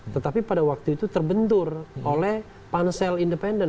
tetapi pada waktu itu terbentur oleh pansel independen